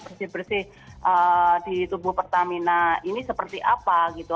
bersih bersih di tubuh pertamina ini seperti apa gitu